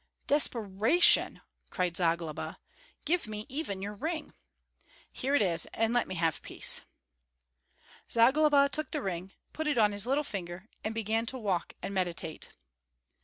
"Desperation!" cried Zagloba; "give me even your ring." "Here it is, and let me have peace!" Zagloba took the ring, put it on his little finger, and began to walk and meditate.